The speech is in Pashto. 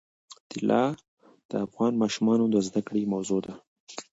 طلا د افغان ماشومانو د زده کړې موضوع ده.